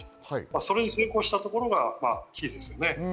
それに成功したところがいいですよね。